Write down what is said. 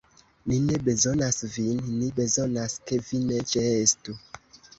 Ni ne bezonas vin; ni bezonas, ke vi ne ĉeestu.